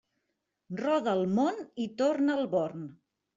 Roda el món i torna al Born.